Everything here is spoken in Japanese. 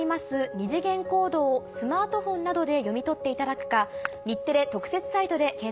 二次元コードをスマートフォンなどで読み取っていただくか。